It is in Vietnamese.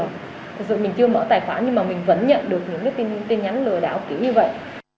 thực sự mình chưa mở tài khoản nhưng mà mình vẫn nhận được những cái tin nhắn lừa đảo kỹ như vậy